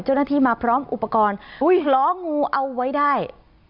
เจ้าหน้าที่มาพร้อมอุปกรณ์ล้องูเอาไว้ได้